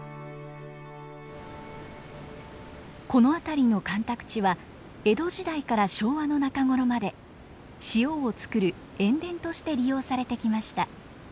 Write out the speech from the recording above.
この辺りの干拓地は江戸時代から昭和の中頃まで塩を作る塩田として利用されてきました。